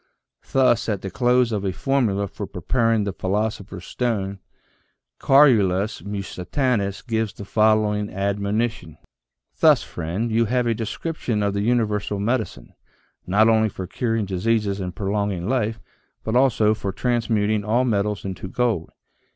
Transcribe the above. Thus, at the close of a formula for preparing the philoso pher's stone, Carolus Musitanus gives the following ad monition : "Thus friend, you have a description of the universal medicine, not only for curing diseases and prolonging life, but also for transmuting all metals into gold.